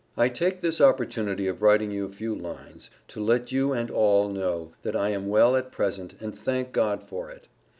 I take this opportunity of writing you a few lines to let you and all know that I am well at present and thank God for it.